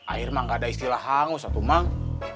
air emang nggak ada istilah hangus atuh emang